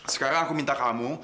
sekarang aku minta kamu